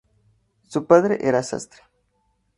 Su padre era sastre.